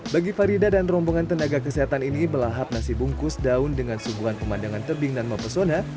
bagi farida dan rombongan tenaga kesehatan ini belahap nasi bungkus daun dengan sungguhan pemandangan terbing dan mempersona